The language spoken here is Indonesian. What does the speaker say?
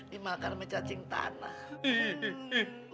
dimakan mecacing tanah